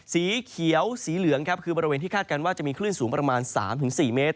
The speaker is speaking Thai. สีเขียวสีเหลืองครับคือบริเวณที่คาดการณ์ว่าจะมีคลื่นสูงประมาณ๓๔เมตร